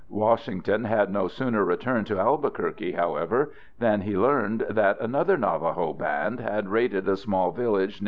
Washington had no sooner returned to Albuquerque, however, than he learned that another Navajo band had raided a small village near Santa Fe.